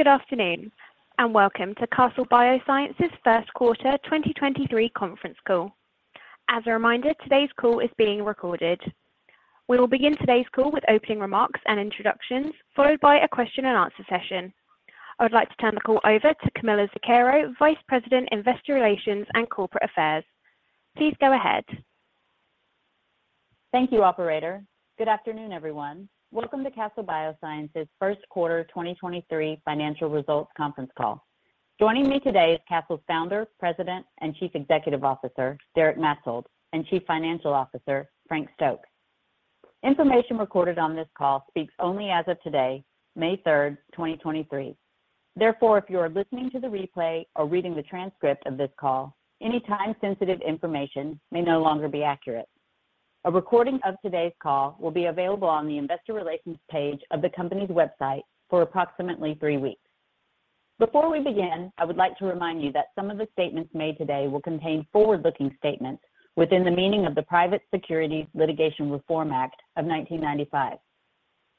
Good afternoon, welcome to Castle Biosciences first quarter 2023 conference call. As a reminder, today's call is being recorded. We will begin today's call with opening remarks and introductions, followed by a question and answer session. I would like to turn the call over to Camilla Zuckero, Vice President, Investor Relations and Corporate Affairs. Please go ahead. Thank you, operator. Good afternoon, everyone. Welcome to Castle Biosciences first quarter 2023 financial results conference call. Joining me today is Castle's Founder, President, and Chief Executive Officer, Derek Maetzold, and Chief Financial Officer, Frank Stokes. Information recorded on this call speaks only as of today, May 3rd, 2023. If you are listening to the replay or reading the transcript of this call, any time-sensitive information may no longer be accurate. A recording of today's call will be available on the investor relations page of the company's website for approximately three weeks. Before we begin, I would like to remind you that some of the statements made today will contain forward-looking statements within the meaning of the Private Securities Litigation Reform Act of 1995.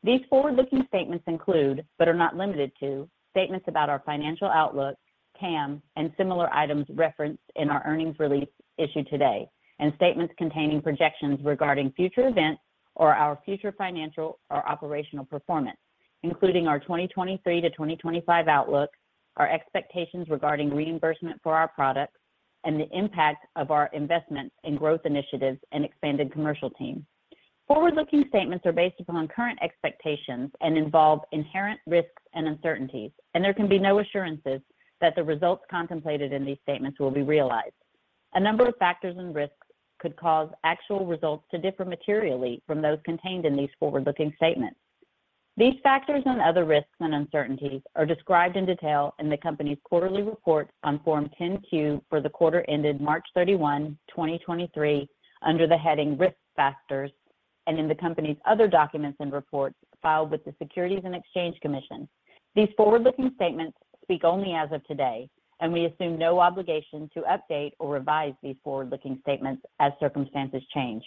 These forward-looking statements include, but are not limited to, statements about our financial outlook, TAM, and similar items referenced in our earnings release issued today, statements containing projections regarding future events or our future financial or operational performance, including our 2023 to 2025 outlook, our expectations regarding reimbursement for our products, and the impact of our investments in growth initiatives and expanded commercial teams. Forward-looking statements are based upon current expectations and involve inherent risks and uncertainties, there can be no assurances that the results contemplated in these statements will be realized. A number of factors and risks could cause actual results to differ materially from those contained in these forward-looking statements. These factors and other risks and uncertainties are described in detail in the company's quarterly report on Form 10-Q for the quarter ended March 31, 2023 under the heading Risk Factors and in the company's other documents and reports filed with the Securities and Exchange Commission. These forward-looking statements speak only as of today, and we assume no obligation to update or revise these forward-looking statements as circumstances change.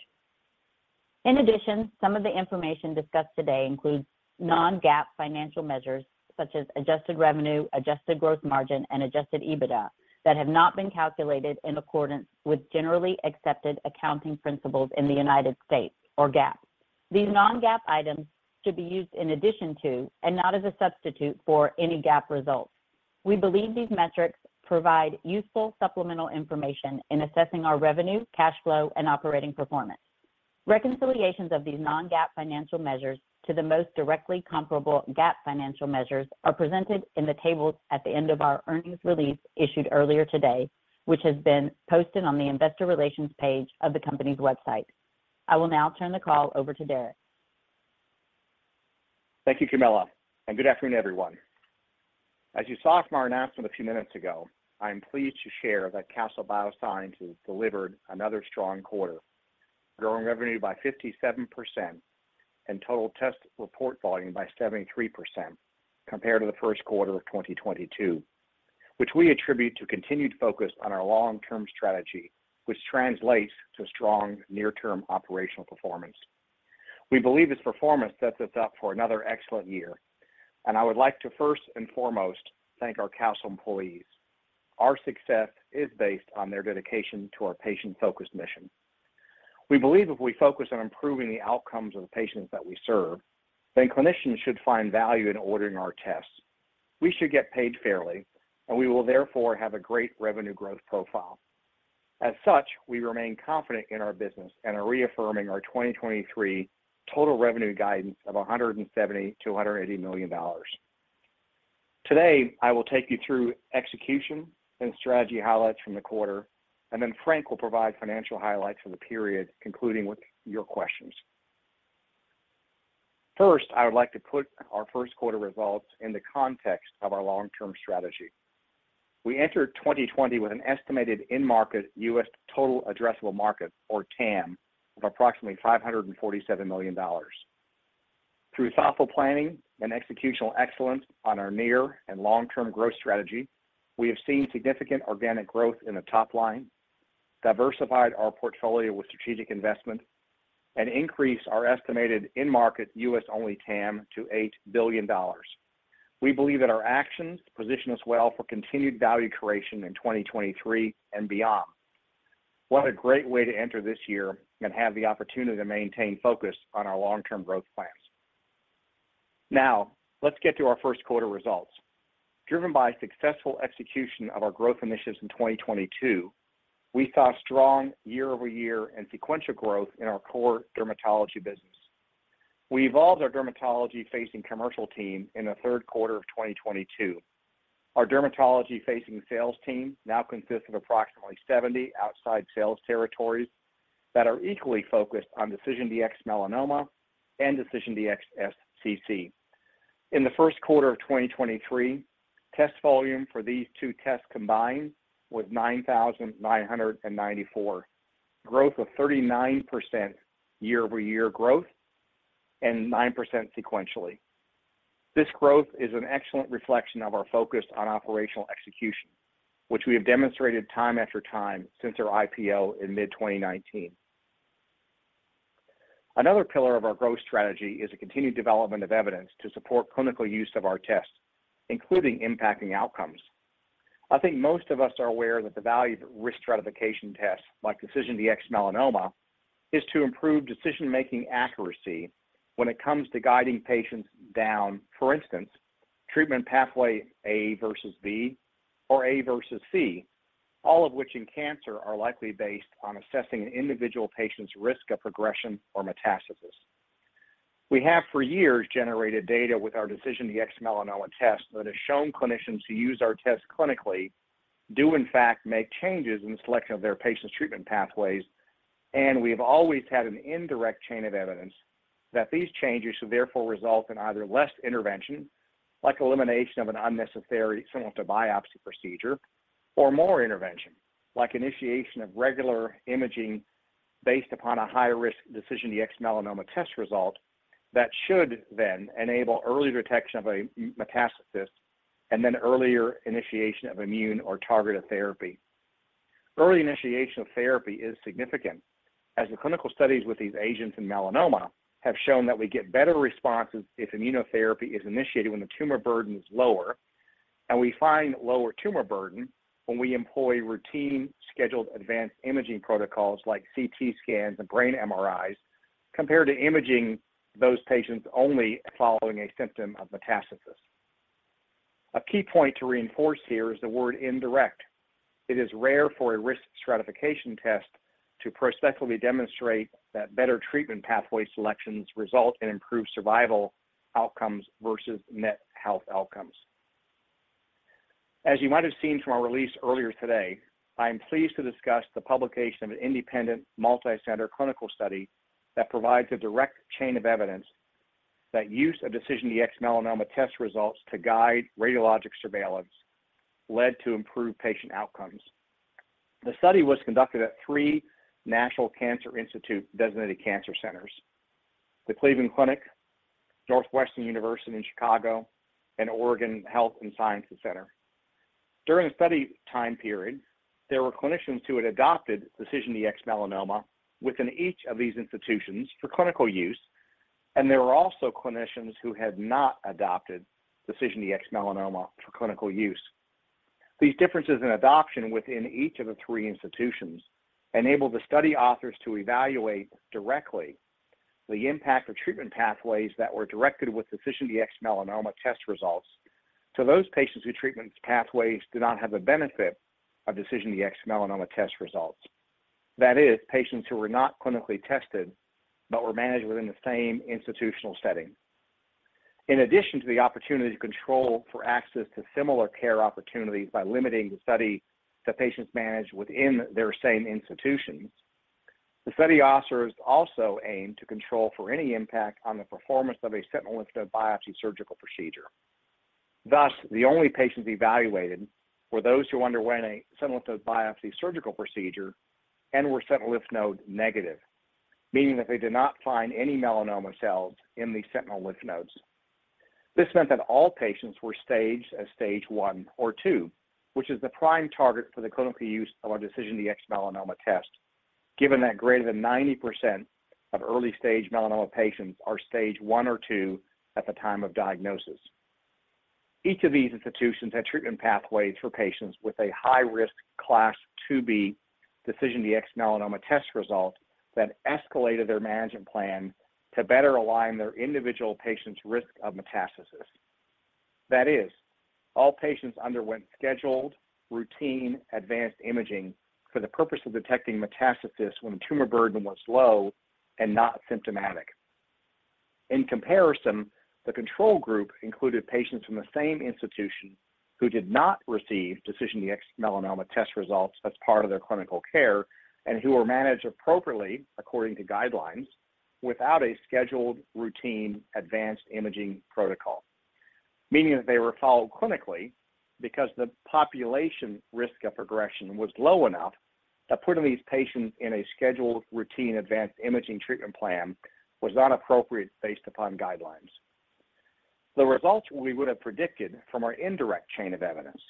In addition, some of the information discussed today includes non-GAAP financial measures such as adjusted revenue, adjusted growth margin, and adjusted EBITDA that have not been calculated in accordance with generally accepted accounting principles in the United States or GAAP. These non-GAAP items should be used in addition to and not as a substitute for any GAAP results. We believe these metrics provide useful supplemental information in assessing our revenue, cash flow, and operating performance. Reconciliations of these non-GAAP financial measures to the most directly comparable GAAP financial measures are presented in the tables at the end of our earnings release issued earlier today, which has been posted on the investor relations page of the company's website. I will now turn the call over to Derek. Thank you, Camilla Zuckero, and good afternoon, everyone. As you saw from our announcement a few minutes ago, I am pleased to share that Castle Biosciences delivered another strong quarter, growing revenue by 57% and total test report volume by 73% compared to the first quarter of 2022, which we attribute to continued focus on our long-term strategy, which translates to strong near-term operational performance. We believe this performance sets us up for another excellent year, and I would like to first and foremost thank our Castle employees. Our success is based on their dedication to our patient-focused mission. We believe if we focus on improving the outcomes of the patients that we serve, then clinicians should find value in ordering our tests. We should get paid fairly, and we will therefore have a great revenue growth profile. As such, we remain confident in our business and are reaffirming our 2023 total revenue guidance of $170 million-$180 million. Today, I will take you through execution and strategy highlights from the quarter, and then Frank will provide financial highlights for the period, concluding with your questions. First, I would like to put our first quarter results in the context of our long-term strategy. We entered 2020 with an estimated in-market U.S. total addressable market, or TAM, of approximately $547 million. Through thoughtful planning and executional excellence on our near and long-term growth strategy, we have seen significant organic growth in the top line, diversified our portfolio with strategic investment, and increased our estimated in-market U.S.-only TAM to $8 billion. We believe that our actions position us well for continued value creation in 2023 and beyond. What a great way to enter this year and have the opportunity to maintain focus on our long-term growth plans. Let's get to our first quarter results. Driven by successful execution of our growth initiatives in 2022, we saw strong year-over-year and sequential growth in our core dermatology business. We evolved our dermatology-facing commercial team in the third quarter of 2022. Our dermatology-facing sales team now consists of approximately 70 outside sales territories that are equally focused on DecisionDx-Melanoma and DecisionDx-SCC. In the first quarter of 2023, test volume for these two tests combined was 9,994, growth of 39% year-over-year growth and 9% sequentially. This growth is an excellent reflection of our focus on operational execution, which we have demonstrated time after time since our IPO in mid-2019. Another pillar of our growth strategy is a continued development of evidence to support clinical use of our tests, including impacting outcomes. I think most of us are aware that the value of risk stratification tests like DecisionDx-Melanoma is to improve decision-making accuracy when it comes to guiding patients down, for instance, treatment pathway A versus B or A versus C, all of which in cancer are likely based on assessing an individual patient's risk of progression or metastasis. We have for years generated data with our DecisionDx-Melanoma test that has shown clinicians who use our test clinically do in fact make changes in the selection of their patients' treatment pathways. We've always had an indirect chain of evidence that these changes should therefore result in either less intervention, like elimination of an unnecessary sentinel lymph node biopsy procedure, or more intervention, like initiation of regular imaging based upon a high-risk DecisionDx-Melanoma test result that should then enable early detection of a metastasis and then earlier initiation of immune or targeted therapy. Early initiation of therapy is significant as the clinical studies with these agents in melanoma have shown that we get better responses if immunotherapy is initiated when the tumor burden is lower, and we find lower tumor burden when we employ routine scheduled advanced imaging protocols like CT scans and brain MRIs compared to imaging those patients only following a symptom of metastasis. A key point to reinforce here is the word indirect. It is rare for a risk stratification test to prospectively demonstrate that better treatment pathway selections result in improved survival outcomes versus net health outcomes. As you might have seen from our release earlier today, I am pleased to discuss the publication of an independent multi-center clinical study that provides a direct chain of evidence that use of DecisionDx-Melanoma test results to guide radiologic surveillance led to improved patient outcomes. The study was conducted at three National Cancer Institute designated cancer centers, the Cleveland Clinic, Northwestern University in Chicago, and Oregon Health & Science University. During the study time period, there were clinicians who had adopted DecisionDx-Melanoma within each of these institutions for clinical use, and there were also clinicians who had not adopted DecisionDx-Melanoma for clinical use. These differences in adoption within each of the three institutions enabled the study authors to evaluate directly the impact of treatment pathways that were directed with DecisionDx-Melanoma test results to those patients whose treatment pathways did not have the benefit of DecisionDx-Melanoma test results. That is, patients who were not clinically tested but were managed within the same institutional setting. In addition to the opportunity to control for access to similar care opportunities by limiting the study to patients managed within their same institutions, the study authors also aimed to control for any impact on the performance of a sentinel lymph node biopsy surgical procedure. Thus, the only patients evaluated were those who underwent a sentinel lymph node biopsy surgical procedure and were sentinel lymph node negative, meaning that they did not find any melanoma cells in the sentinel lymph nodes. This meant that all patients were staged as stage one or two, which is the prime target for the clinical use of our DecisionDx-Melanoma test, given that greater than 90% of early-stage melanoma patients are stage one or two at the time of diagnosis. Each of these institutions had treatment pathways for patients with a high-risk Class 2B DecisionDx-Melanoma test result that escalated their management plan to better align their individual patient's risk of metastasis. That is, all patients underwent scheduled, routine advanced imaging for the purpose of detecting metastasis when tumor burden was low and not symptomatic. In comparison, the control group included patients from the same institution who did not receive DecisionDx-Melanoma test results as part of their clinical care and who were managed appropriately according to guidelines without a scheduled, routine advanced imaging protocol, meaning that they were followed clinically because the population risk of progression was low enough that putting these patients in a scheduled, routine advanced imaging treatment plan was not appropriate based upon guidelines. The results we would have predicted from our indirect chain of evidence,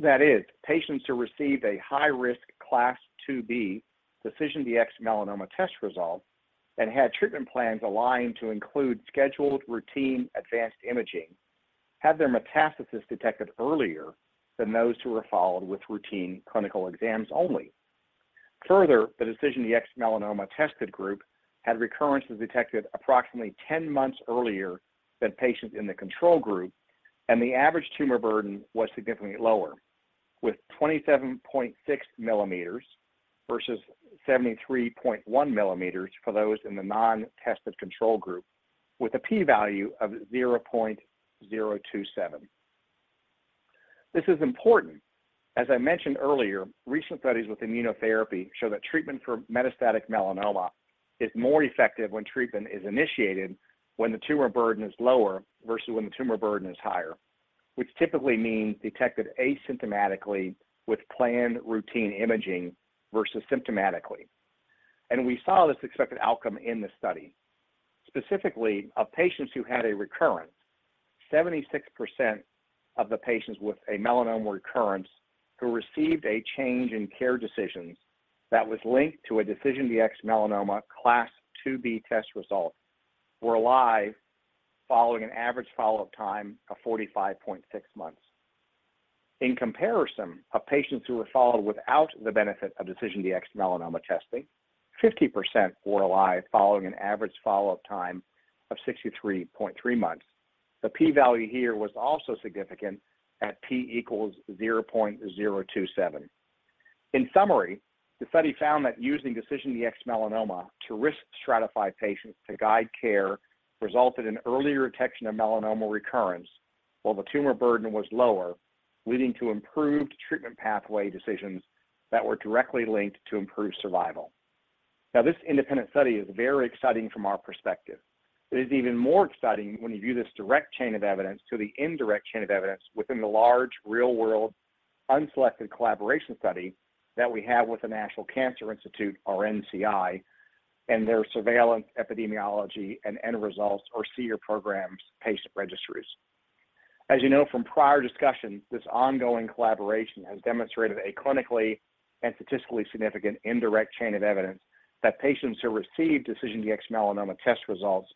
that is, patients who receive a high-risk Class 2B DecisionDx-Melanoma test result and had treatment plans aligned to include scheduled, routine advanced imaging, had their metastasis detected earlier than those who were followed with routine clinical exams only. The DecisionDx-Melanoma tested group had recurrences detected approximately 10 months earlier than patients in the control group, and the average tumor burden was significantly lower, with 27.6 millimeters versus 73.1 millimeters for those in the non-tested control group with a P-value of 0.027. This is important. As I mentioned earlier, recent studies with immunotherapy show that treatment for metastatic melanoma is more effective when treatment is initiated when the tumor burden is lower versus when the tumor burden is higher, which typically means detected asymptomatically with planned routine imaging versus symptomatically. We saw this expected outcome in the study. Specifically, of patients who had a recurrence, 76% of the patients with a melanoma recurrence who received a change in care decisions that was linked to a DecisionDx-Melanoma Class 2B test result were alive following an average follow-up time of 45.6 months. In comparison, of patients who were followed without the benefit of DecisionDx-Melanoma testing, 50% were alive following an average follow-up time of 63.3 months. The P value here was also significant at P equals 0.027. In summary, the study found that using DecisionDx-Melanoma to risk stratify patients to guide care resulted in earlier detection of melanoma recurrence while the tumor burden was lower, leading to improved treatment pathway decisions that were directly linked to improved survival. This independent study is very exciting from our perspective. It is even more exciting when you view this direct chain of evidence to the indirect chain of evidence within the large, real-world, unselected collaboration study that we have with the National Cancer Institute, or NCI, and their Surveillance, Epidemiology, and End Results, or SEER programs patient registries. As you know from prior discussions, this ongoing collaboration has demonstrated a clinically and statistically significant indirect chain of evidence that patients who receive DecisionDx-Melanoma test results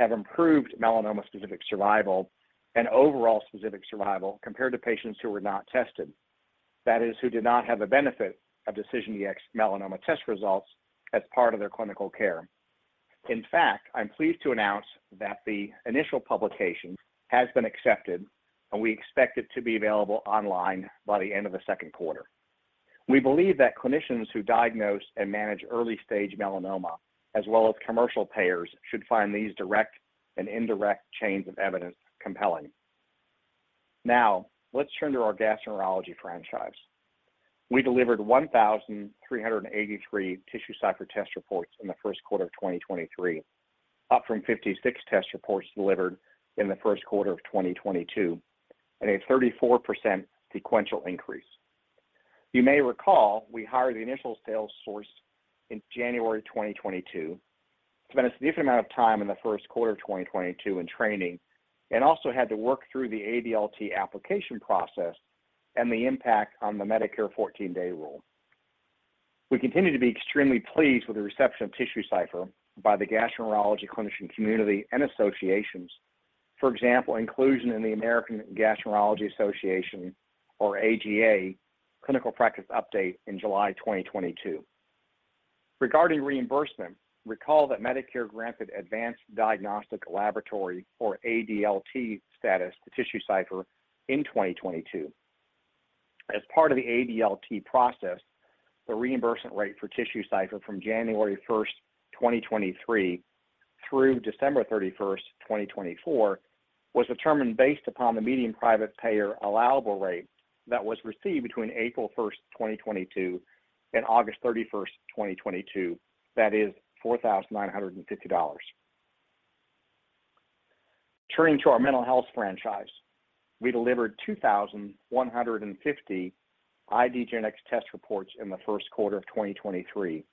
have improved melanoma-specific survival and overall specific survival compared to patients who were not tested. That is, who did not have the benefit of DecisionDx-Melanoma test results as part of their clinical care. I'm pleased to announce that the initial publication has been accepted, and we expect it to be available online by the end of the second quarter. We believe that clinicians who diagnose and manage early-stage melanoma, as well as commercial payers, should find these direct and indirect chains of evidence compelling. Let's turn to our gastroenterology franchise. We delivered 1,383 TissueCypher test reports in the first quarter of 2023, up from 56 test reports delivered in the first quarter of 2022 at a 34% sequential increase. You may recall we hired the initial sales source in January 2022. It's been a significant amount of time in the first quarter of 2022 in training and also had to work through the ADLT application process and the impact on the Medicare 14-day rule. We continue to be extremely pleased with the reception of TissueCypher by the gastroenterology clinician community and associations. Inclusion in the American Gastroenterological Association, or AGA, clinical practice update in July 2022. Regarding reimbursement, recall that Medicare granted advanced diagnostic laboratory or ADLT status to TissueCypher in 2022. As part of the ADLT process, the reimbursement rate for TissueCypher from January 1, 2023 through December 31, 2024 was determined based upon the median private payer allowable rate that was received between April 1, 2022 and August 31, 2022. That is $4,950. Turning to our mental health franchise, we delivered 2,150 IDgenetix test reports in the first quarter of 2023,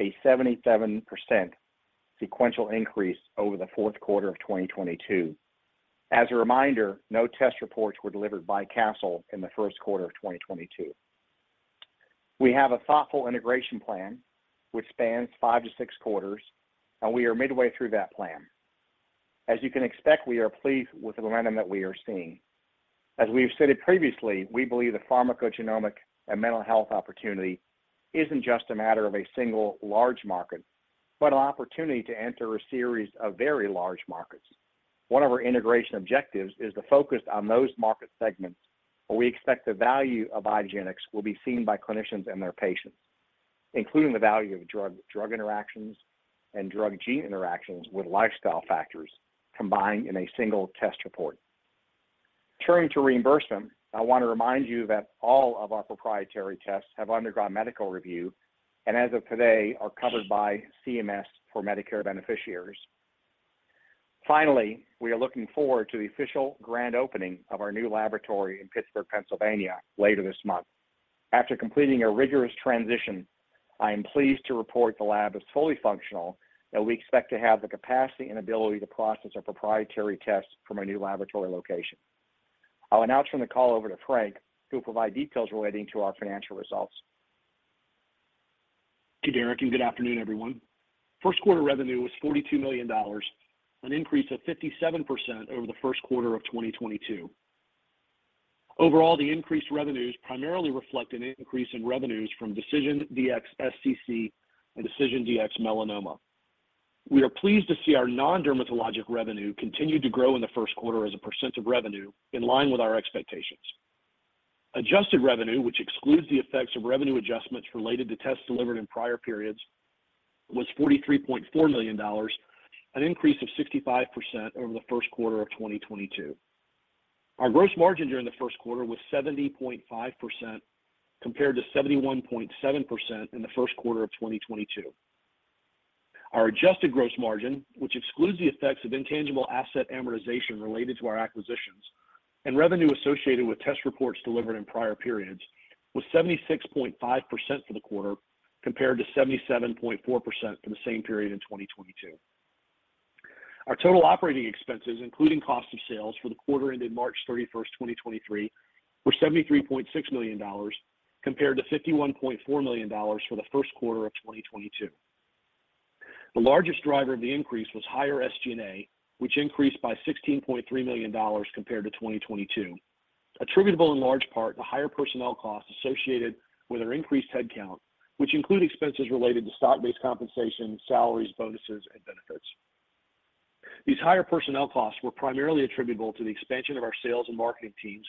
a 77% sequential increase over the fourth quarter of 2022. As a reminder, no test reports were delivered by Castle in the first quarter of 2022. We have a thoughtful integration plan which spans 5 to 6 quarters. We are midway through that plan. As you can expect, we are pleased with the momentum that we are seeing. As we've stated previously, we believe the pharmacogenomic and mental health opportunity isn't just a matter of a single large market, but an opportunity to enter a series of very large markets. One of our integration objectives is to focus on those market segments where we expect the value of IDgenetix will be seen by clinicians and their patients, including the value of drug interactions and drug-gene interactions with lifestyle factors combined in a single test report. Turning to reimbursement, I want to remind you that all of our proprietary tests have undergone medical review and as of today, are covered by CMS for Medicare beneficiaries. Finally, we are looking forward to the official grand opening of our new laboratory in Pittsburgh, Pennsylvania later this month. After completing a rigorous transition, I am pleased to report the lab is fully functional, and we expect to have the capacity and ability to process our proprietary tests from our new laboratory location. I'll now turn the call over to Frank, who will provide details relating to our financial results. Thank you, Derek, and good afternoon, everyone. First quarter revenue was $42 million, an increase of 57% over the first quarter of 2022. Overall, the increased revenues primarily reflect an increase in revenues from DecisionDx-SCC and DecisionDx-Melanoma. We are pleased to see our non-dermatologic revenue continued to grow in the first quarter as a % of revenue in line with our expectations. Adjusted revenue, which excludes the effects of revenue adjustments related to tests delivered in prior periods, was $43.4 million, an increase of 65% over the first quarter of 2022. Our gross margin during the first quarter was 70.5% compared to 71.7% in the first quarter of 2022. Our adjusted gross margin, which excludes the effects of intangible asset amortization related to our acquisitions and revenue associated with test reports delivered in prior periods, was 76.5% for the quarter compared to 77.4% for the same period in 2022. Our total operating expenses, including cost of sales for the quarter ended March 31st, 2023, were $73.6 million compared to $51.4 million for the first quarter of 2022. The largest driver of the increase was higher SG&A, which increased by $16.3 million compared to 2022. Attributable in large part to higher personnel costs associated with our increased headcount, which include expenses related to stock-based compensation, salaries, bonuses, and benefits. These higher personnel costs were primarily attributable to the expansion of our sales and marketing teams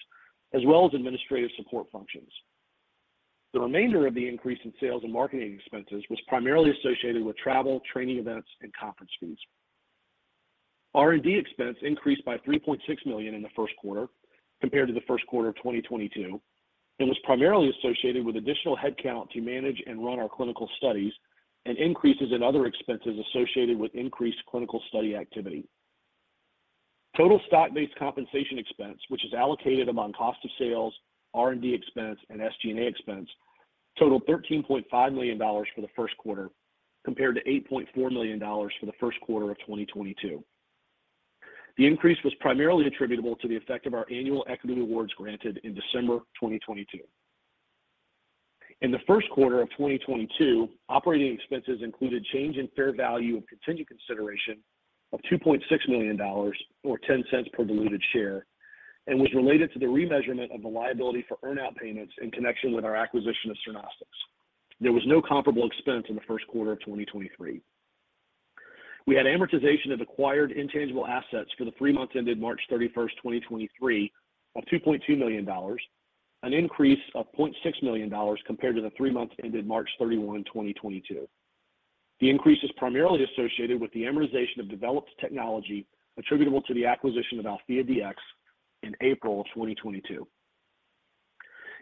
as well as administrative support functions. The remainder of the increase in sales and marketing expenses was primarily associated with travel, training events, and conference fees. R&D expense increased by $3.6 million in the first quarter compared to the first quarter of 2022 and was primarily associated with additional headcount to manage and run our clinical studies and increases in other expenses associated with increased clinical study activity. Total stock-based compensation expense, which is allocated among cost of sales, R&D expense, and SG&A expense, totaled $13.5 million for the first quarter compared to $8.4 million for the first quarter of 2022. The increase was primarily attributable to the effect of our annual equity awards granted in December 2022. In the first quarter of 2022, operating expenses included change in fair value of contingent consideration of $2.6 million or $0.10 per diluted share and was related to the remeasurement of the liability for earn-out payments in connection with our acquisition of Cernostics. There was no comparable expense in the first quarter of 2023. We had amortization of acquired intangible assets for the three months ended March 31st, 2023 of $2.2 million, an increase of $0.6 million compared to the three months ended March 31, 2022. The increase is primarily associated with the amortization of developed technology attributable to the acquisition of AltheaDx in April of 2022.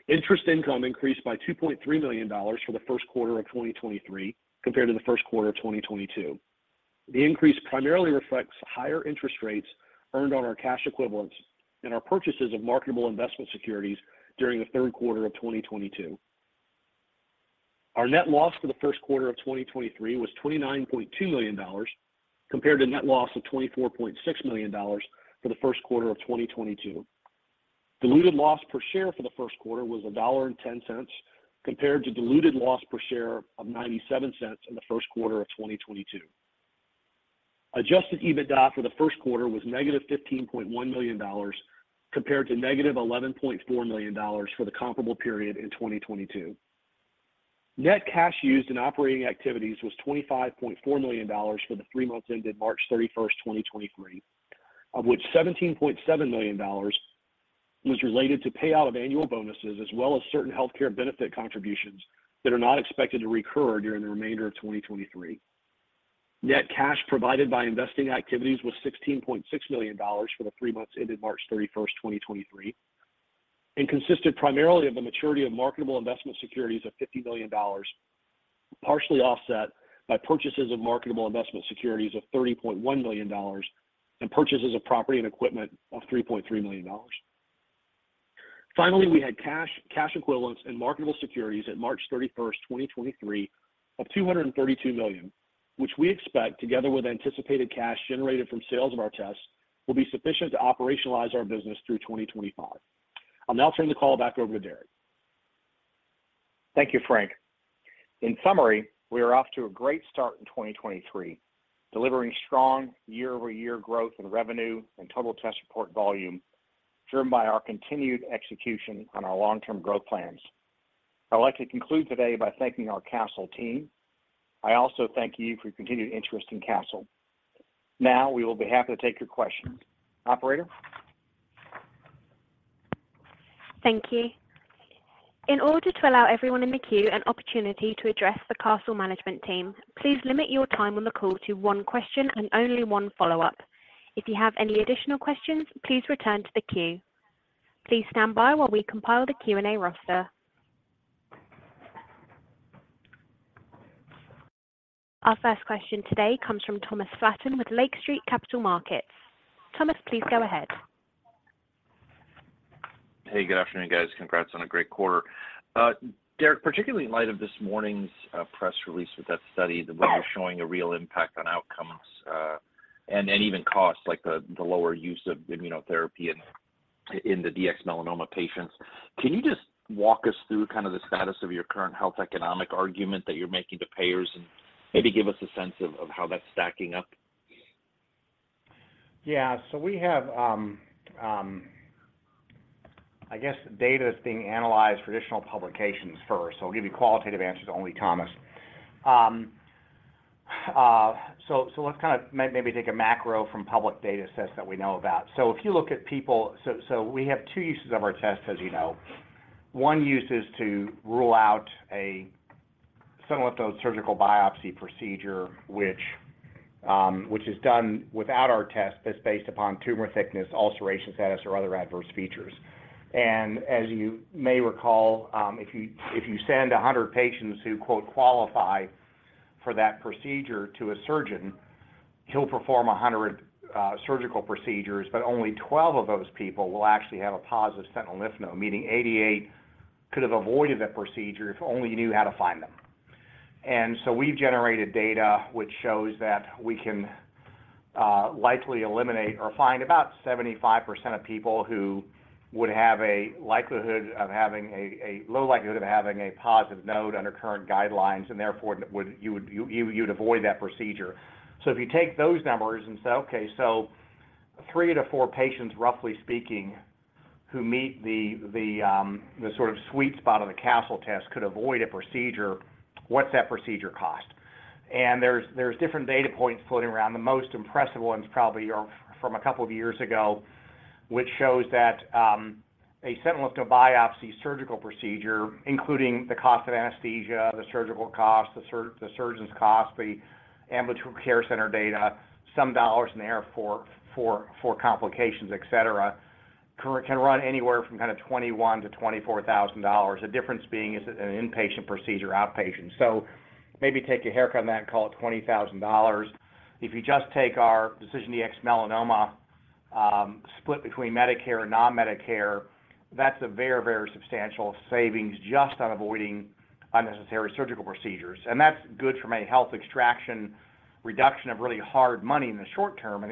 Interest income increased by $2.3 million for the first quarter of 2023 compared to the first quarter of 2022. The increase primarily reflects higher interest rates earned on our cash equivalents and our purchases of marketable investment securities during the third quarter of 2022. Our net loss for the first quarter of 2023 was $29.2 million compared to net loss of $24.6 million for the first quarter of 2022. Diluted loss per share for the first quarter was $1.10 compared to diluted loss per share of $0.97 in the first quarter of 2022. Adjusted EBITDA for the first quarter was negative $15.1 million compared to negative $11.4 million for the comparable period in 2022. Net cash used in operating activities was $25.4 million for the 3 months ended March 31st, 2023, of which $17.7 million was related to payout of annual bonuses as well as certain healthcare benefit contributions that are not expected to recur during the remainder of 2023. Net cash provided by investing activities was $16.6 million for the 3 months ended March 31st, 2023 and consisted primarily of the maturity of marketable investment securities of $50 million, partially offset by purchases of marketable investment securities of $30.1 million and purchases of property and equipment of $3.3 million. We had cash equivalents, and marketable securities at March thirty-first, 2023 of $232 million, which we expect, together with anticipated cash generated from sales of our tests, will be sufficient to operationalize our business through 2025. I'll now turn the call back over to Derek. Thank you, Frank. In summary, we are off to a great start in 2023, delivering strong year-over-year growth in revenue and total test report volume driven by our continued execution on our long-term growth plans. I'd like to conclude today by thanking our Castle team. I also thank you for your continued interest in Castle. We will be happy to take your questions. Operator? Thank you. In order to allow everyone in the queue an opportunity to address the Castle management team, please limit your time on the call to one question and only one follow-up. If you have any additional questions, please return to the queue. Please stand by while we compile the Q&A roster. Our first question today comes from Thomas Flaten with Lake Street Capital Markets. Thomas, please go ahead. Hey, good afternoon, guys. Congrats on a great quarter. Derek, particularly in light of this morning's press release with that study, the way you're showing a real impact on outcomes, and even costs like the lower use of immunotherapy in the DX Melanoma patients, can you just walk us through kind of the status of your current health economic argument that you're making to payers and maybe give us a sense of how that's stacking up? Yeah. I guess data is being analyzed for additional publications first. I'll give you qualitative answers only, Thomas. Let's kind of maybe take a macro from public data sets that we know about. If you look at people. We have two uses of our tests, as you know. One use is to rule out a sentinel lymph node surgical biopsy procedure, which is done without our test that's based upon tumor thickness, ulceration status, or other adverse features. As you may recall, if you send 100 patients who "qualify" for that procedure to a surgeon, he'll perform 100 surgical procedures, but only 12 of those people will actually have a positive sentinel lymph node, meaning 88 could have avoided that procedure if only you knew how to find them. We've generated data which shows that we can likely eliminate or find about 75% of people who would have a likelihood of having a low likelihood of having a positive node under current guidelines, and therefore you'd avoid that procedure. If you take those numbers and say, okay, so 3 to 4 patients, roughly speaking, who meet the sort of sweet spot of the Castle test could avoid a procedure, what's that procedure cost? There's different data points floating around. The most impressive ones probably are from a couple of years ago, which shows that a sentinel lymph node biopsy surgical procedure, including the cost of anesthesia, the surgical cost, the surgeon's cost, the ambulatory care center data, some dollars in there for complications, et cetera, can run anywhere from kind of $21,000-$24,000. The difference being is it an inpatient procedure or outpatient. So maybe take a hair cut on that and call it $20,000. If you just take our DecisionDx-Melanoma split between Medicare and non-Medicare, that's a very substantial savings just on avoiding unnecessary surgical procedures. That's good from a health extraction reduction of really hard money in the short term.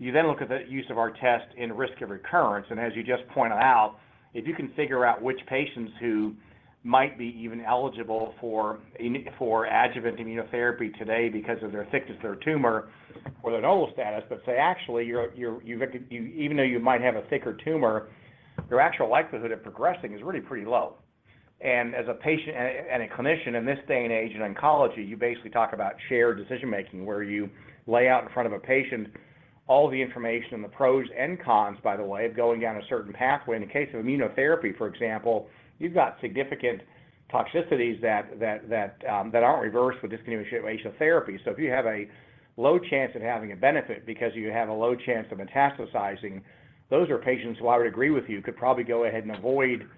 You look at the use of our test in risk of recurrence. As you just pointed out, if you can figure out which patients who might be even eligible for adjuvant immunotherapy today because of their thickness of their tumor or their nodal status. Say actually you're even though you might have a thicker tumor, your actual likelihood of progressing is really pretty low. As a patient and a clinician in this day and age in oncology, you basically talk about shared decision-making, where you lay out in front of a patient all the information and the pros and cons, by the way, of going down a certain pathway. In the case of immunotherapy, for example, you've got significant toxicities that aren't reversed with discontinuation of therapy. If you have a low chance of having a benefit because you have a low chance of metastasizing, those are patients who I would agree with you could probably go ahead and avoid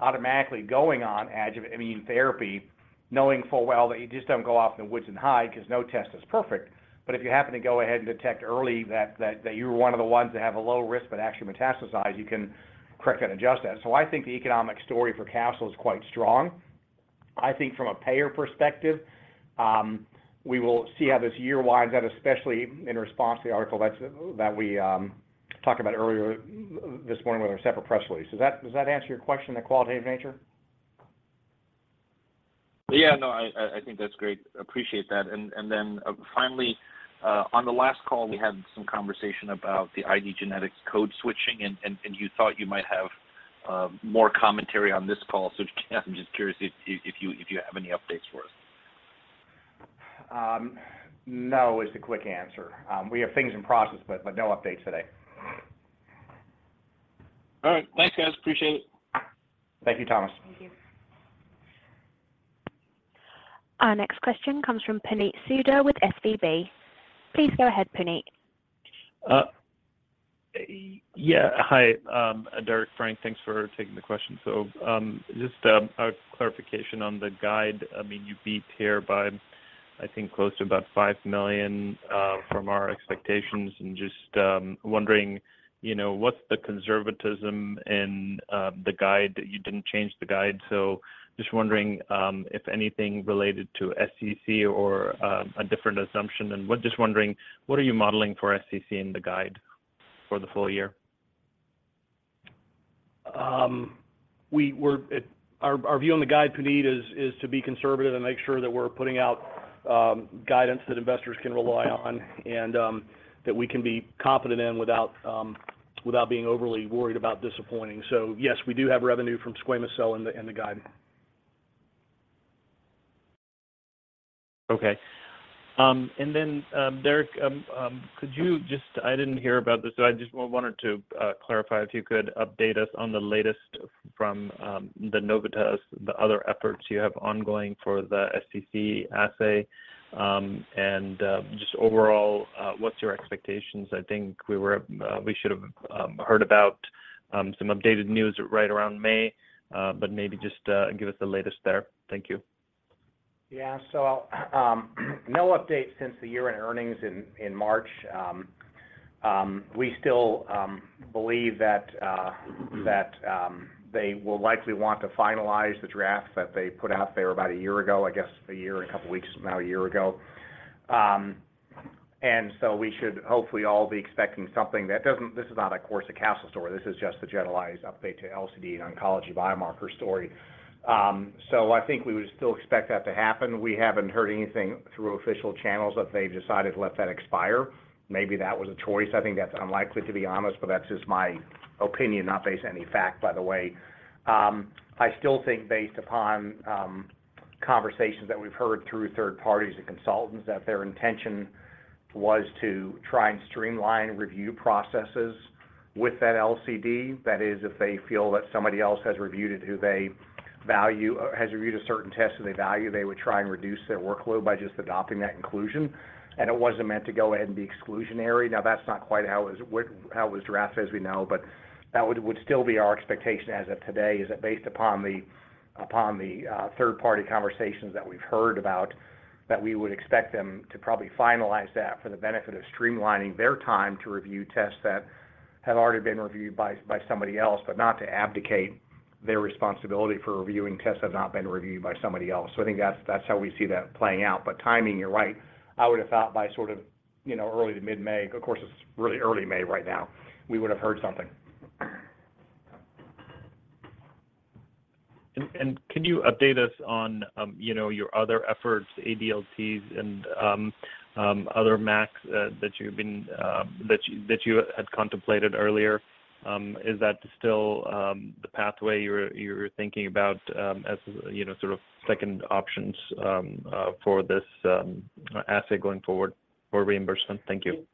automatically going on adjuvant immune therapy, knowing full well that you just don't go off in the woods and hide because no test is perfect. If you happen to go ahead and detect early that you were one of the ones that have a low risk but actually metastasize, you can correct that and adjust that. I think the economic story for Castle is quite strong. I think from a payer perspective, we will see how this year winds out, especially in response to the article that we talked about earlier this morning with our separate press release. Does that answer your question in a qualitative nature? Yeah, no, I think that's great. Appreciate that. Then, finally, on the last call, we had some conversation about the IDgenetix code switching and you thought you might have more commentary on this call. I'm just curious if you have any updates for us. No is the quick answer. We have things in process, but no update today. All right. Thanks, guys. Appreciate it. Thank you, Thomas. Thank you. Our next question comes from Puneet Souda with SVB. Please go ahead, Puneet. Yeah. Hi, Derek, Frank, thanks for taking the question. Just a clarification on the guide. I mean, you beat here by, I think close to about $5 million from our expectations and just wondering, you know, what's the conservatism in the guide? You didn't change the guide. Just wondering if anything related to SCC or a different assumption. We're just wondering what are you modeling for SCC in the guide for the full year? Our view on the guide, Puneet, is to be conservative and make sure that we're putting out guidance that investors can rely on and that we can be confident in without being overly worried about disappointing. Yes, we do have revenue from squamous cell in the, in the guide. Okay. Derek, could you just I didn't hear about this, so I just wanted to clarify if you could update us on the latest from the Novitas, the other efforts you have ongoing for the SCC assay. Just overall, what's your expectations? I think we were, we should have heard about some updated news right around May, but maybe just give us the latest there. Thank you. No update since the year-end earnings in March. We still believe that they will likely want to finalize the draft that they put out there about a year ago, I guess a year and a couple weeks from now. We should hopefully all be expecting something. This is not of course a Castle story. This is just the generalized update to LCD and oncology biomarker story. I think we would still expect that to happen. We haven't heard anything through official channels that they've decided to let that expire. Maybe that was a choice. I think that's unlikely to be honest, but that's just my opinion, not based on any fact, by the way. I still think based upon conversations that we've heard through third parties and consultants that their intention was to try and streamline review processes with that LCD. That is, if they feel that somebody else has reviewed it who they value or has reviewed a certain test that they value, they would try and reduce their workload by just adopting that conclusion. It wasn't meant to go ahead and be exclusionary. That's not quite how it was, how it was drafted as we know, but that would still be our expectation as of today, is that based upon the, upon the third-party conversations that we've heard about, that we would expect them to probably finalize that for the benefit of streamlining their time to review tests that have already been reviewed by somebody else, but not to abdicate their responsibility for reviewing tests that have not been reviewed by somebody else. I think that's how we see that playing out. Timing, you're right. I would have thought by sort of, you know, early to mid-May, of course, it's really early May right now, we would have heard something. Could you update us on, you know, your other efforts, ADLTs and other MACs that you've been that you had contemplated earlier? Is that still the pathway you're thinking about as, you know, sort of second options for this asset going forward for reimbursement? Thank you.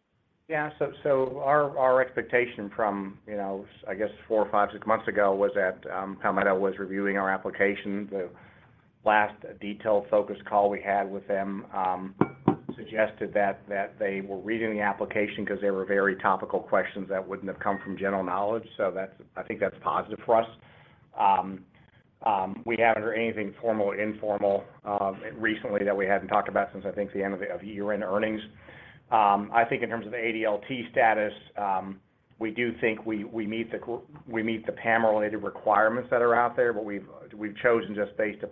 Our expectation from, you know, I guess 4, 5, 6 months ago was that Palmetto was reviewing our application. The last detailed focus call we had with them, suggested that they were reading the application because they were very topical questions that wouldn't have come from general knowledge. I think that's positive for us. We haven't heard anything formal or informal recently that we hadn't talked about since I think the end of year-end earnings. I think in terms of the ADLT status, we do think we meet the PAMA-related requirements that are out there, but we've chosen just based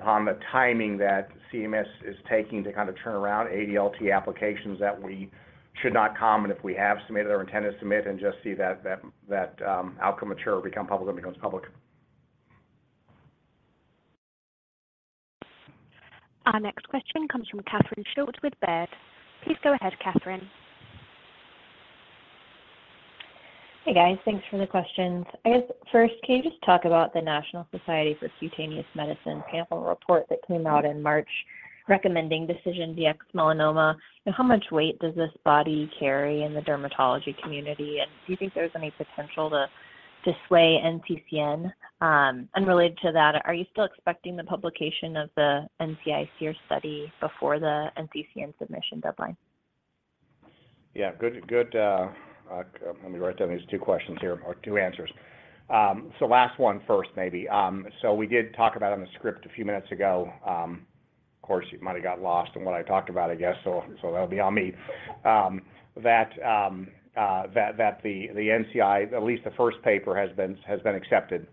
upon the timing that CMS is taking to kind of turn around ADLT applications that we should not comment if we have submitted or intend to submit and just see that outcome mature, become public when it becomes public. Our next question comes from Catherine Schulte with Baird. Please go ahead, Catherine. Hey, guys. Thanks for the questions. I guess first, can you just talk about the National Society for Cutaneous Medicine panel report that came out in March recommending DecisionDx-Melanoma, how much weight does this body carry in the dermatology community? Do you think there's any potential to sway NCCN? Unrelated to that, are you still expecting the publication of the NCI SEER study before the NCCN submission deadline? Yeah. Good, good, let me write down these 2 questions here, or 2 answers. Last one first maybe. We did talk about on the script a few minutes ago, of course, it might have got lost in what I talked about, I guess, so that'll be on me. That, that the NCI, at least the first paper has been accepted.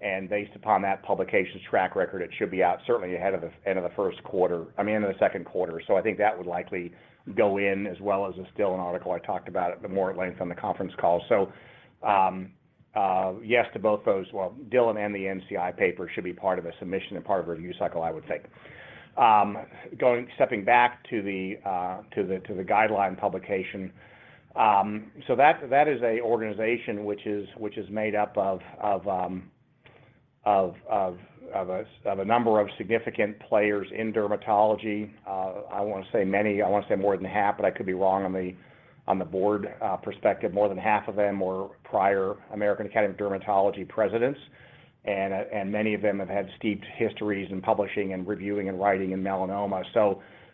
Based upon that publication's track record, it should be out certainly ahead of the end of the first quarter, I mean, end of the second quarter. I think that would likely go in as well as instill an article. I talked about it more at length on the conference call. Yes to both those. Well, Dylan and the NCI paper should be part of a submission and part of a review cycle, I would think. Stepping back to the guideline publication. That is a organization which is made up of a number of significant players in dermatology. I wanna say many. I wanna say more than half, but I could be wrong on the board perspective. More than half of them were prior American Academy of Dermatology presidents. Many of them have had steeped histories in publishing and reviewing and writing in melanoma.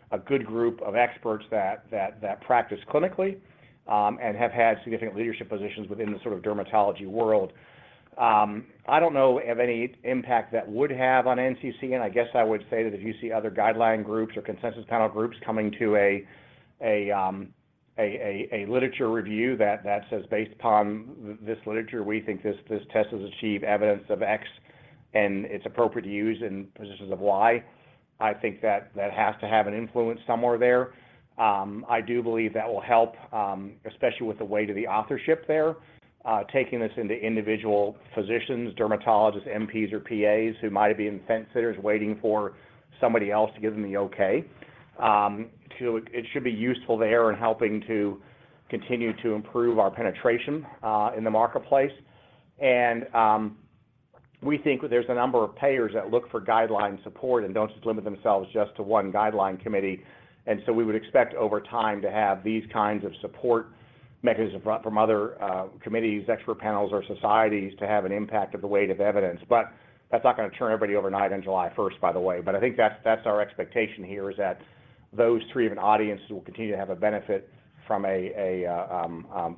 A good group of experts that practice clinically and have had significant leadership positions within the sort of dermatology world. I don't know of any impact that would have on NCCN. I guess I would say that if you see other guideline groups or consensus panel groups coming to a literature review that says based upon this literature, we think this test does achieve evidence of X, and it's appropriate to use in positions of Y. I think that has to have an influence somewhere there. I do believe that will help, especially with the weight of the authorship there, taking this into individual physicians, dermatologists, MPs or PAs who might have been fence sitters waiting for somebody else to give them the okay. It should be useful there in helping to continue to improve our penetration in the marketplace. We think there's a number of payers that look for guideline support and don't just limit themselves just to one guideline committee. We would expect over time to have these kinds of support mechanism from other committees, expert panels or societies to have an impact of the weight of evidence. That's not gonna turn everybody overnight on July 1st, by the way. I think that's our expectation here is that those three different audiences will continue to have a benefit from a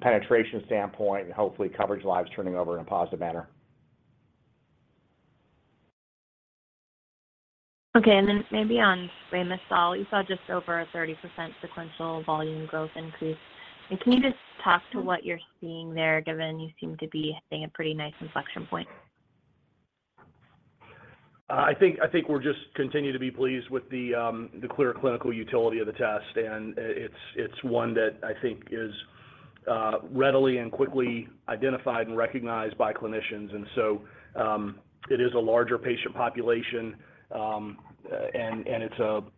penetration standpoint and hopefully coverage lives turning over in a positive manner. Okay. Then maybe on Ramycial, you saw just over a 30% sequential volume growth increase. Can you just talk to what you're seeing there, given you seem to be hitting a pretty nice inflection point? I think we're just continuing to be pleased with the clear clinical utility of the test, and it's one that I think is readily and quickly identified and recognized by clinicians. It is a larger patient population, and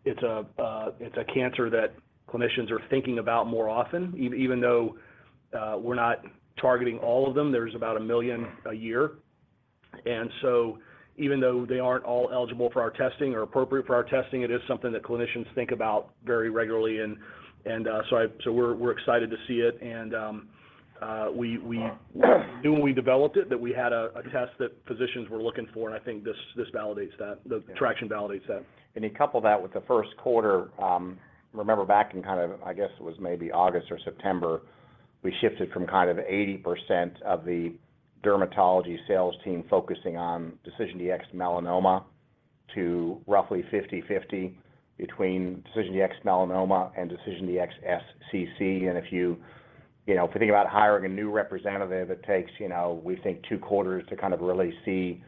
it's a cancer that clinicians are thinking about more often, even though we're not targeting all of them. There's about 1 million a year. Even though they aren't all eligible for our testing or appropriate for our testing, it is something that clinicians think about very regularly and, so we're excited to see it. We knew when we developed it that we had a test that physicians were looking for, and I think this validates that. The traction validates that. You couple that with the first quarter, remember back in kind of, I guess it was maybe August or September, we shifted from kind of 80% of the dermatology sales team focusing on DecisionDx-Melanoma. To roughly 50/50 between DecisionDx-Melanoma and DecisionDx-SCC. If you know, if you think about hiring a new representative, it takes, you know, we think 2 quarters to kind of really see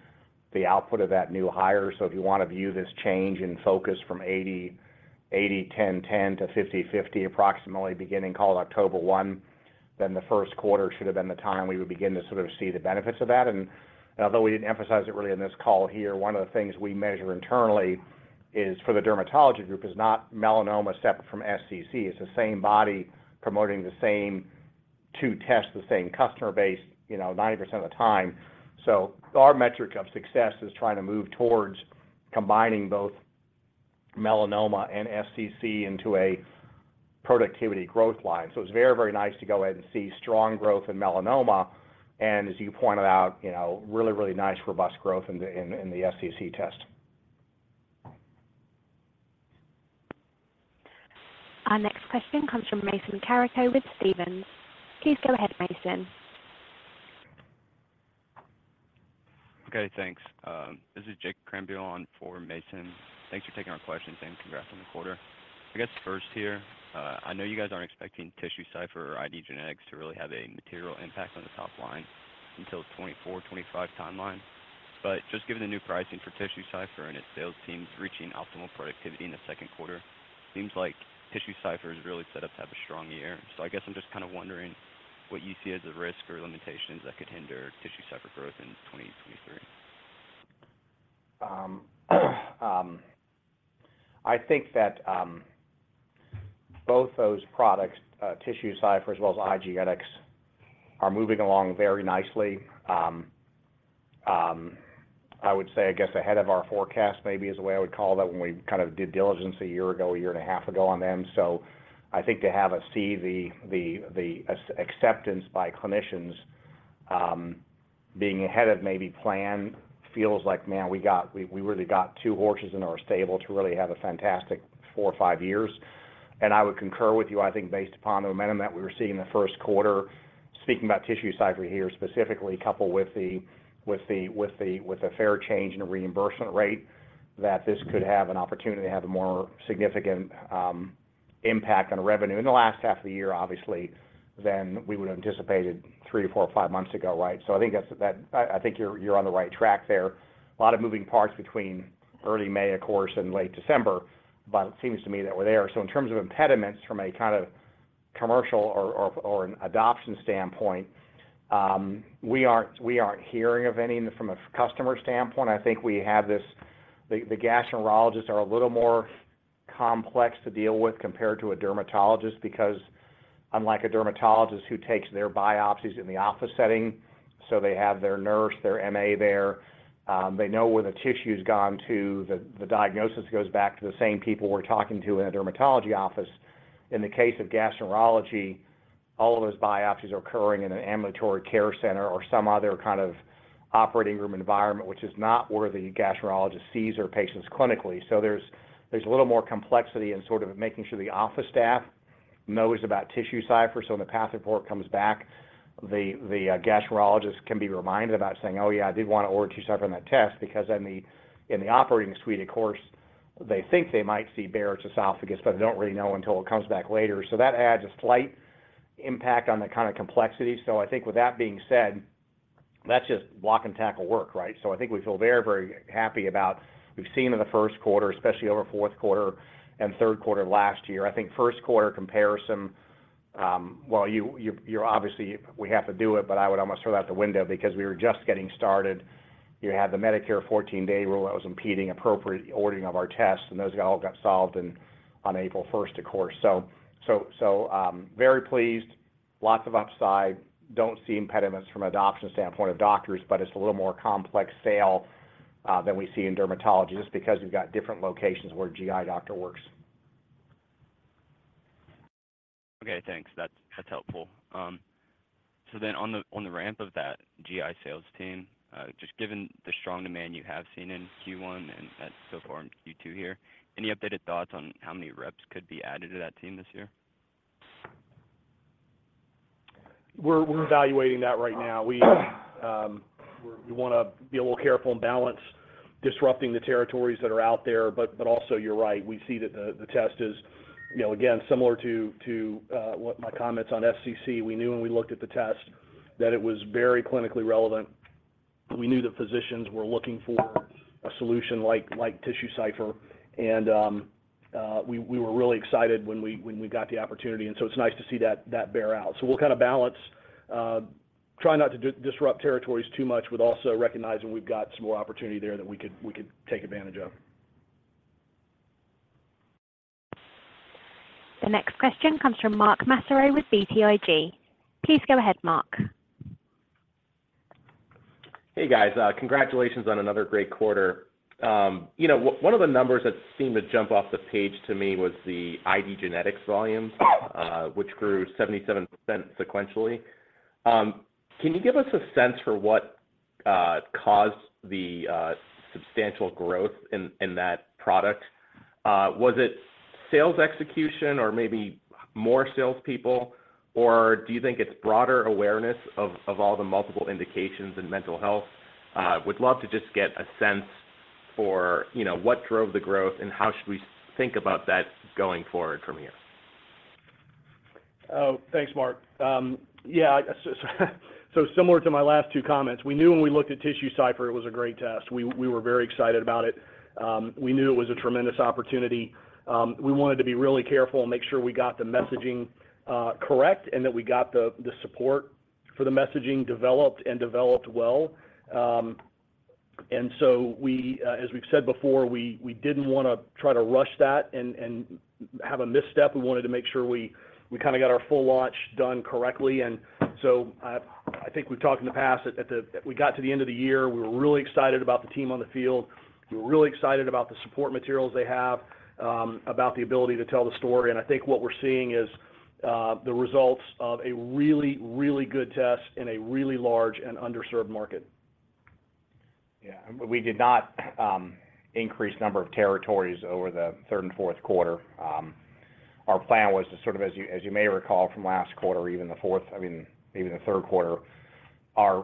the output of that new hire. If you wanna view this change in focus from 80-10-10 to 50/50 approximately beginning call it October 1, the first quarter should have been the time when we would begin to sort of see the benefits of that. Although we didn't emphasize it really in this call here, one of the things we measure internally is for the dermatology group is not melanoma separate from SCC. It's the same body promoting the same 2 tests, the same customer base, you know, 90% of the time. Our metric of success is trying to move towards combining both melanoma and SCC into a productivity growth line. It's very, very nice to go ahead and see strong growth in melanoma and as you pointed out, you know, really, really nice robust growth in the SCC test. Our next question comes from Mason Carrico with Stephens. Please go ahead, Mason. Okay, thanks. This is Jake Cranbillon for Mason. Thanks for taking our questions and congrats on the quarter. I guess first here, I know you guys aren't expecting TissueCypher or IDgenetix to really have a material impact on the top line until 2024, 2025 timeline. Just given the new pricing for TissueCypher and its sales teams reaching optimal productivity in the second quarter, seems like TissueCypher is really set up to have a strong year. I guess I'm just kind of wondering what you see as the risk or limitations that could hinder TissueCypher growth in 2023. I think that both those products, TissueCypher as well as IDgenetix, are moving along very nicely. I would say, I guess, ahead of our forecast maybe is the way I would call that when we kind of did diligence 1 year ago, 1.5 years ago on them. I think to see the acceptance by clinicians, being ahead of maybe plan feels like, man, we really got two horses in our stable to really have a fantastic 4 or 5 years. I would concur with you, I think based upon the momentum that we were seeing in the first quarter, speaking about TissueCypher here specifically, coupled with the fare change in the reimbursement rate, that this could have an opportunity to have a more significant impact on revenue in the last half of the year, obviously, than we would have anticipated 3 to 4 or 5 months ago, right? I think that's. I think you're on the right track there. A lot of moving parts between early May, of course, and late December, but it seems to me that we're there. In terms of impediments from a kind of commercial or an adoption standpoint, we aren't hearing of any from a customer standpoint. I think we have this... The gastroenterologists are a little more complex to deal with compared to a dermatologist because unlike a dermatologist who takes their biopsies in the office setting, so they have their nurse, their MA there, they know where the tissue's gone to, the diagnosis goes back to the same people we're talking to in a dermatology office. In the case of gastroenterology, all of those biopsies are occurring in an ambulatory care center or some other kind of operating room environment, which is not where the gastroenterologist sees their patients clinically. There's a little more complexity in sort of making sure the office staff knows about TissueCypher, so when the path report comes back the gastroenterologist can be reminded about saying, "Oh, yeah, I did wanna order TissueCypher on that test," because then the... In the operating suite, of course, they think they might see Barrett's esophagus, but they don't really know until it comes back later. That adds a slight impact on the kind of complexity. I think with that being said, that's just block and tackle work, right? I think we feel very, very happy about... We've seen in the 1st quarter, especially over 4th quarter and 3rd quarter last year, I think 1st quarter comparison, well, you're obviously... We have to do it, but I would almost throw it out the window because we were just getting started. You had the Medicare 14-day rule that was impeding appropriate ordering of our tests, and those all got solved in, on April 1st, of course. Very pleased, lots of upside. Don't see impediments from an adoption standpoint of doctors, but it's a little more complex sale than we see in dermatology just because we've got different locations where a GI doctor works. Okay, thanks. That's helpful. On the ramp of that GI sales team, just given the strong demand you have seen in Q1 and so far in Q2 here, any updated thoughts on how many reps could be added to that team this year? We're evaluating that right now. We wanna be a little careful and balance disrupting the territories that are out there. Also, you're right, we see that the test is, you know, again, similar to what my comments on SCC. We knew when we looked at the test that it was very clinically relevant. We knew that physicians were looking for a solution like TissueCypher. We were really excited when we got the opportunity, it's nice to see that bear out. We'll kind of balance trying not to disrupt territories too much, but also recognizing we've got some more opportunity there that we could take advantage of. The next question comes from Mark Massaro with BTIG. Please go ahead, Mark. Hey, guys. Congratulations on another great quarter. you know, one of the numbers that seemed to jump off the page to me was the IDgenetix volumes, which grew 77% sequentially. Can you give us a sense for what caused the substantial growth in that product? Was it sales execution or maybe more salespeople, or do you think it's broader awareness of all the multiple indications in mental health? Would love to just get a sense for, you know, what drove the growth and how should we think about that going forward from here. Oh, thanks, Mark. Yeah, similar to my last two comments, we knew when we looked at TissueCypher it was a great test. We were very excited about it. We knew it was a tremendous opportunity. We wanted to be really careful and make sure we got the messaging correct and that we got the support for the messaging developed and developed well. We, as we've said before, we didn't wanna try to rush that and have a misstep. We wanted to make sure we kinda got our full launch done correctly. I think we've talked in the past that. We got to the end of the year, we were really excited about the team on the field. We were really excited about the support materials they have, about the ability to tell the story. I think what we're seeing is the results of a really, really good test in a really large and underserved market. Yeah. We did not increase number of territories over the third and fourth quarter. Our plan was to sort of, as you may recall from last quarter or even the fourth, I mean, maybe the third quarter,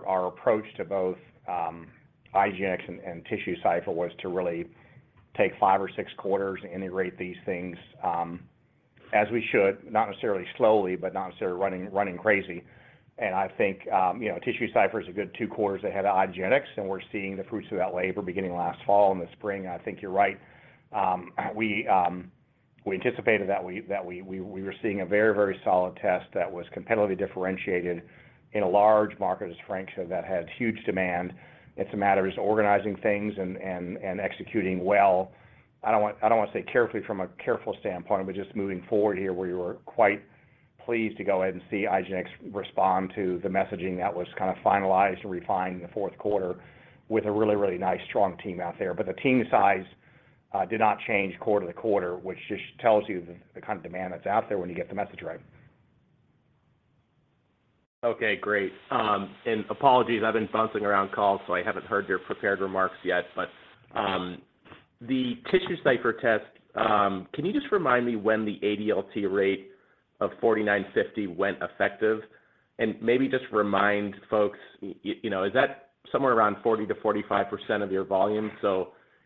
our approach to both IDgenetix and TissueCypher was to really take 5 or 6 quarters, integrate these things, as we should, not necessarily slowly, but not necessarily running crazy. I think, you know, TissueCypher's a good 2 quarters ahead of IDgenetix, and we're seeing the fruits of that labor beginning last fall and the spring. I think you're right. We anticipated that we were seeing a very, very solid test that was competitively differentiated in a large market, as Frank said, that had huge demand. It's a matter of just organizing things and executing well. I don't wanna say carefully from a careful standpoint, but just moving forward here, we were quite pleased to go ahead and see IDgenetix respond to the messaging that was kind of finalized and refined in the fourth quarter with a really, really nice, strong team out there. The team size did not change quarter-to-quarter, which just tells you the kind of demand that's out there when you get the message right. Okay, great. Apologies, I've been bouncing around calls, so I haven't heard your prepared remarks yet. The TissueCypher test, can you just remind me when the ADLT rate of $4,950 went effective? Maybe just remind folks, you know, is that somewhere around 40%-45% of your volume?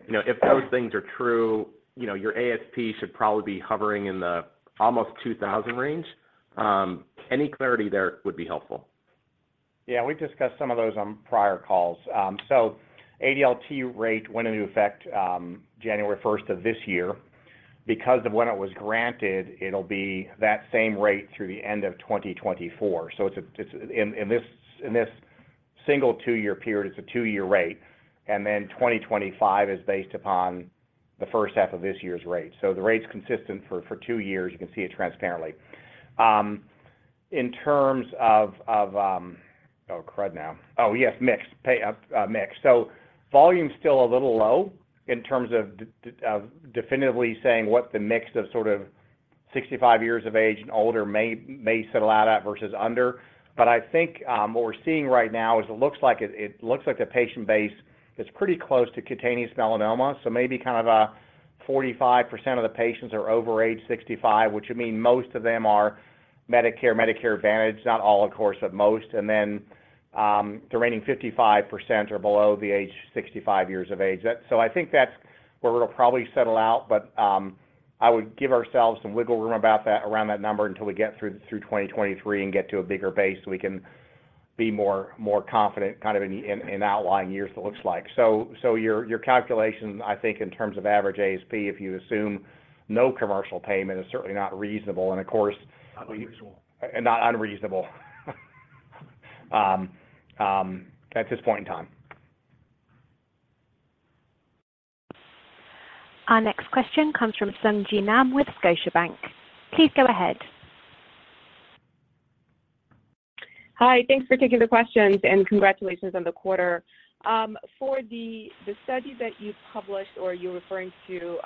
You know, if those things are true, you know, your ASP should probably be hovering in the almost $2,000 range. Any clarity there would be helpful. Yeah, we've discussed some of those on prior calls. ADLT rate went into effect January first of this year. Because of when it was granted, it'll be that same rate through the end of 2024. It's in this single two-year period, it's a two-year rate. 2025 is based upon the first half of this year's rate. The rate's consistent for two years. You can see it transparently. In terms of, Oh, crud now. Oh, yes, mix. Pay mix. Volume's still a little low in terms of definitively saying what the mix of sort of 65 years of age and older may settle out at versus under. I think what we're seeing right now is it looks like the patient base is pretty close to cutaneous melanoma, so maybe kind of a 45% of the patients are over age 65, which would mean most of them are Medicare Advantage. Not all, of course, but most. The remaining 55% are below the age 65 years of age. I think that's where it'll probably settle out. I would give ourselves some wiggle room about that, around that number until we get through 2023 and get to a bigger base so we can be more confident kind of in outlying years it looks like. Your calculation, I think, in terms of average ASP, if you assume no commercial payment, is certainly not reasonable. Of course. Unreasonable. Not unreasonable at this point in time. Our next question comes from Sung Ji Nam with Scotiabank. Please go ahead. Hi. Thanks for taking the questions. Congratulations on the quarter. For the study that you published or you're referring to,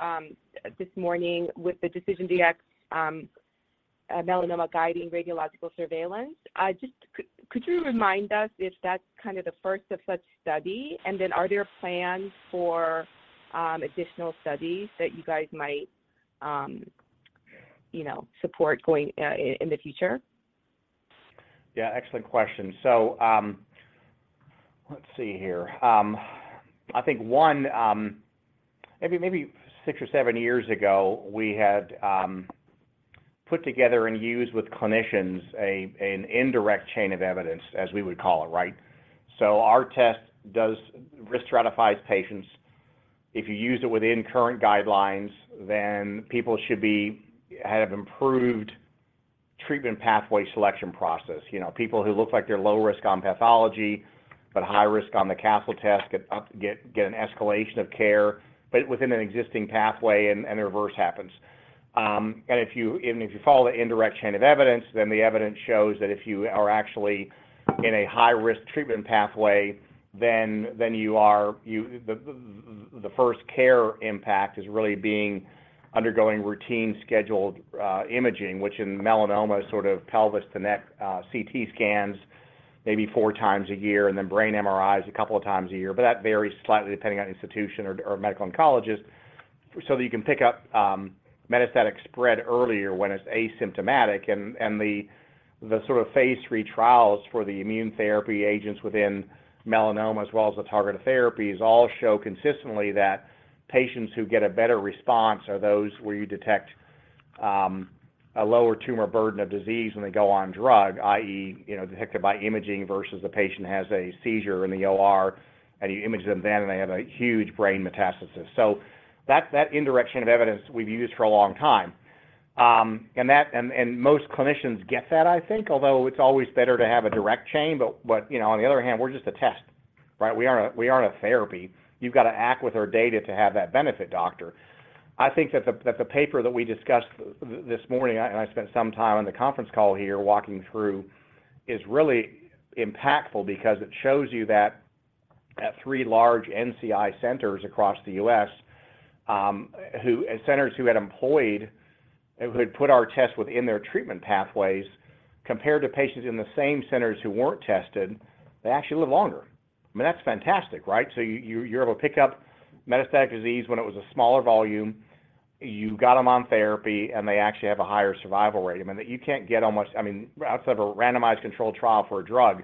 this morning with the DecisionDx-Melanoma guiding radiological surveillance, just could you remind us if that's kind of the first of such study? Are there plans for additional studies that you guys might, you know, support going in the future? Yeah, excellent question. Let's see here. I think one, maybe, six or seven years ago, we had put together and used with clinicians a, an indirect chain of evidence, as we would call it, right? Our test risk stratifies patients. If you use it within current guidelines, then people should have improved treatment pathway selection process. You know, people who look like they're low risk on pathology, but high risk on the Castle test get an escalation of care, but within an existing pathway, and the reverse happens. If you follow the indirect chain of evidence, then the evidence shows that if you are actually in a high-risk treatment pathway, then you are. The first care impact is really being... undergoing routine scheduled imaging, which in melanoma is sort of pelvis to neck, CT scans, maybe 4 times a year, and then brain MRIs a couple of times a year, but that varies slightly depending on institution or medical oncologist so that you can pick up metastatic spread earlier when it's asymptomatic. The sort of phase 3 trials for the immune therapy agents within melanoma as well as the targeted therapies all show consistently that patients who get a better response are those where you detect a lower tumor burden of disease when they go on drug, i.e., you know, detected by imaging versus the patient has a seizure in the OR, and you image them then, and they have a huge brain metastasis. That, that indirection of evidence we've used for a long time. That... Most clinicians get that, I think, although it's always better to have a direct chain. You know, on the other hand, we're just a test, right? We aren't a therapy. You've got to act with our data to have that benefit, doctor. I think that the paper that we discussed this morning, and I spent some time on the conference call here walking through, is really impactful because it shows you that at 3 large NCI centers across the U.S., centers who had put our test within their treatment pathways compared to patients in the same centers who weren't tested, they actually live longer. I mean, that's fantastic, right? You're able to pick up metastatic disease when it was a smaller volume. You got them on therapy, and they actually have a higher survival rate. I mean, that you can't get on much, I mean, outside of a randomized controlled trial for a drug,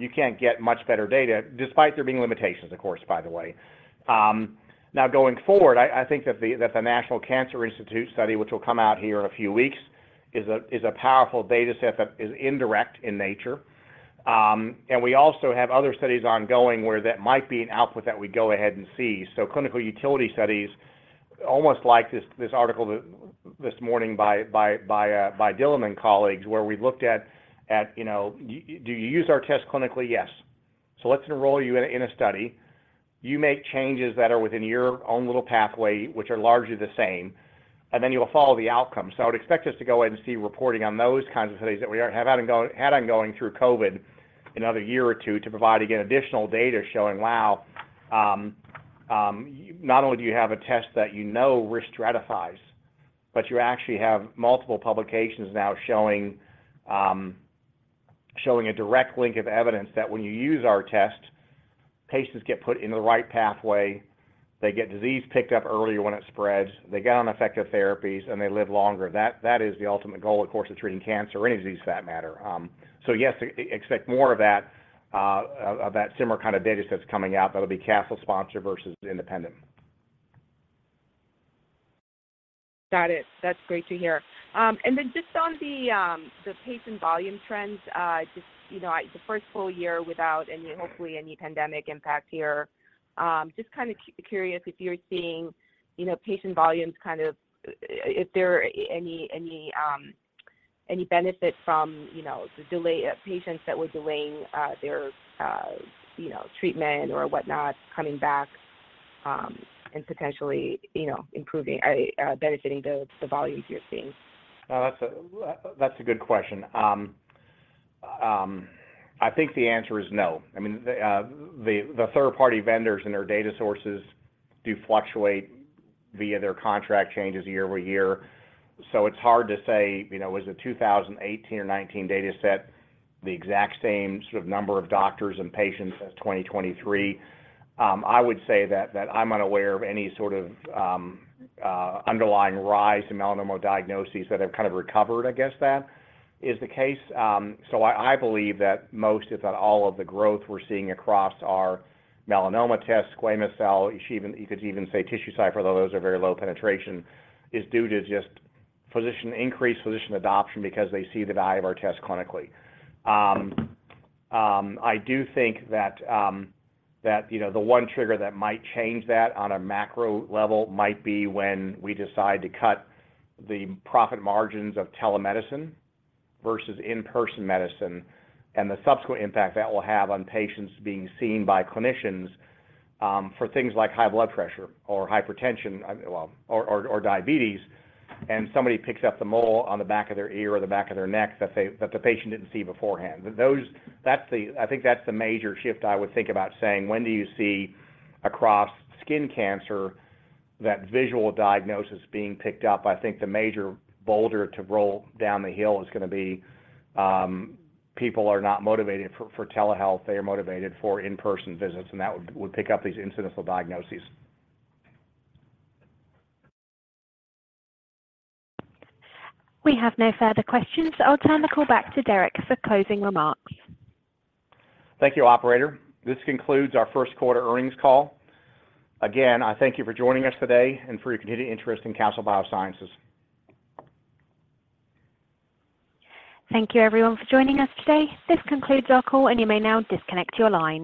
you can't get much better data despite there being limitations, of course, by the way. Now going forward, I think that the National Cancer Institute study, which will come out here in a few weeks, is a powerful data set that is indirect in nature. We also have other studies ongoing where that might be an output that we go ahead and see. Clinical utility studies, almost like this article this morning by Dillon colleagues, where we looked at, you know, do you use our test clinically? Yes. Let's enroll you in a study. You make changes that are within your own little pathway, which are largely the same, and then you'll follow the outcome. I would expect us to go ahead and see reporting on those kinds of studies that we have had ongoing through COVID another year or two to provide, again, additional data showing, wow, not only do you have a test that you know risk stratifies, but you actually have multiple publications now showing a direct link of evidence that when you use our test, patients get put in the right pathway, they get disease picked up earlier when it spreads, they get on effective therapies, and they live longer. That is the ultimate goal, of course, of treating cancer or any disease for that matter. Yes, expect more of that, of that similar kind of data sets coming out that'll be Castle sponsor versus independent. Got it. That's great to hear. Then just on the patient volume trends, just, you know, the first full year without any, hopefully any pandemic impact here, just curious if you're seeing, you know, patient volumes kind of If there are any benefit from, you know, the delay patients that were delaying their, you know, treatment or whatnot coming back, and potentially, you know, improving benefiting the volumes you're seeing? No, that's a good question. I think the answer is no. I mean, the third-party vendors and their data sources do fluctuate via their contract changes year-over-year. It's hard to say, you know, is the 2018 or 19 data set the exact same sort of number of doctors and patients as 2023? I would say that I'm unaware of any sort of underlying rise in melanoma diagnoses that have kind of recovered against that is the case. I believe that most, if not all of the growth we're seeing across our melanoma test, squamous cell, you could even say TissueCypher, though those are very low penetration, is due to just physician increase, physician adoption because they see the value of our test clinically. I do think that, you know, the one trigger that might change that on a macro level might be when we decide to cut the profit margins of telemedicine versus in-person medicine and the subsequent impact that will have on patients being seen by clinicians, for things like high blood pressure or hypertension, well, or diabetes, and somebody picks up the mole on the back of their ear or the back of their neck that the patient didn't see beforehand. I think that's the major shift I would think about saying, when do you see across skin cancer that visual diagnosis being picked up? I think the major boulder to roll down the hill is gonna be, people are not motivated for telehealth. They are motivated for in-person visits, and that would pick up these incidental diagnoses. We have no further questions. I'll turn the call back to Derek for closing remarks. Thank you, operator. This concludes our first quarter earnings call. Again, I thank you for joining us today and for your continued interest in Castle Biosciences. Thank you everyone for joining us today. This concludes our call, and you may now disconnect your line.